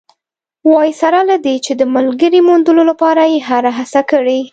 وايي، سره له دې چې د ملګرې موندلو لپاره یې هره هڅه کړې